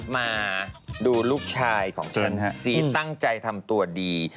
มาดูลูกชายของฉันฮะซีตั้งใจทำตัวดี